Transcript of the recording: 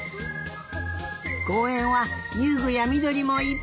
こうえんはゆうぐやみどりもいっぱい。